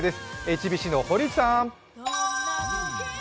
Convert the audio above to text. ＨＢＣの堀内さん。